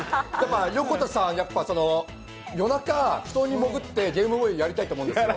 横田さん、夜中布団に潜ってゲームボーイやりたいと思うんです